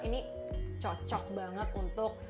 ini cocok banget untuk